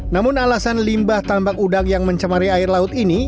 namun alasan limbah tambak udang yang mencemari air laut ini